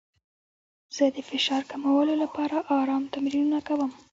زه د فشار کمولو لپاره ارام تمرینونه کوم.